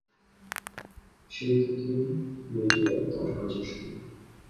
সেই থেকেই মিডিয়ায় তাঁর কাজের শুরু।